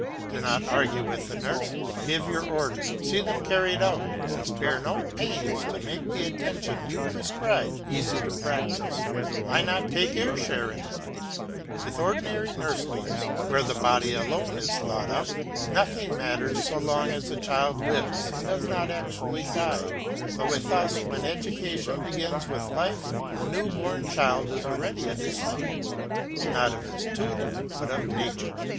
Do not argue with the nurses; give your orders, see them carried out, and spare no pains to make the attention you prescribe easy in practice. Why not take your share in it? With ordinary nurslings, where the body alone is thought of, nothing matters so long as the child lives and does not actually die, but with us, when education begins with life, the new born child is already a disciple, not of his tutor, but of nature.